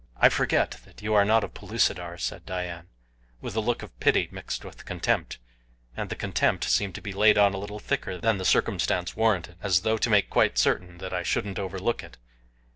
"I forget that you are not of Pellucidar," said Dian, with a look of pity mixed with contempt, and the contempt seemed to be laid on a little thicker than the circumstance warranted as though to make quite certain that I shouldn't overlook it.